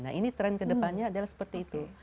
nah ini tren kedepannya adalah seperti itu